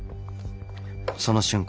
その瞬間